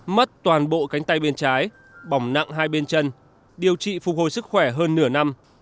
mất toàn bộ cánh tay bên trái bỏng nặng hai bên chân điều trị phục hồi sức khỏe hơn nửa năm